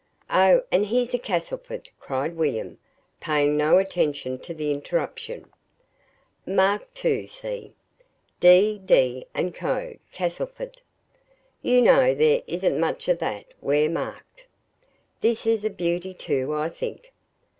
"Oh, and here's a Castleford," cried William, paying no attention to the interruption. "Marked, too; see? 'D. D. & Co., Castleford.' You know there isn't much of that ware marked. This is a beauty, too, I think.